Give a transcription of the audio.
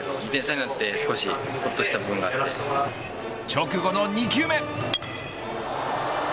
直後の２球目。